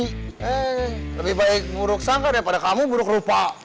neng lebih baik nguruk sangka daripada kamu buruk rupa